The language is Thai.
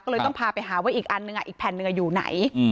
ก็เลยต้องพาไปหาว่าอีกอันนึงอีกแผ่นหนึ่งอยู่ไหน